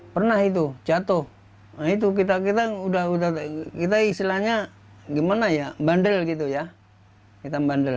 pernah itu jatuh itu kita kita udah udah kita istilahnya gimana ya bandel gitu ya kita bandel